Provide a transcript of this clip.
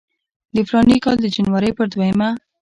د فلاني کال د جنورۍ پر دویمه.